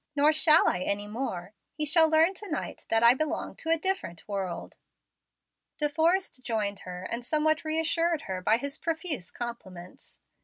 Nor shall I any more. He shall learn to night that I belong to a different world." De Forrest joined her soon and somewhat re assured her by his profuse compliments.